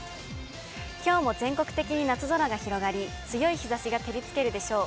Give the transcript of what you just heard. きょうも全国的に夏空が広がり、強い日ざしが照りつけるでしょう。